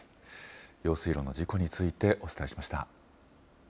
用水路の事故についてお伝えしました。